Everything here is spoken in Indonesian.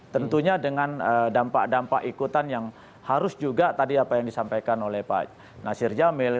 tentunya dengan dampak dampak ikutan yang harus juga tadi apa yang disampaikan oleh pak nasir jamil